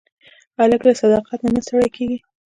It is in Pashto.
هلک له صداقت نه نه ستړی کېږي.